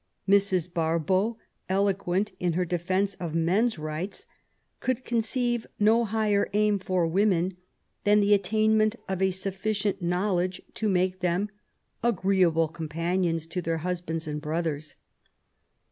Mrs. Barbauld, eloquent in her defence of men's rights, could conceive no higher aim for women than the attainment of sufficient know ledge to make them agreeabh companions to their husbands and brothers.